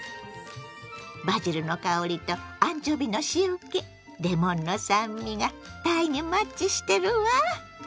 バジルの香りとアンチョビの塩けレモンの酸味がたいにマッチしてるわ。